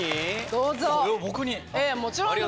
どうぞ。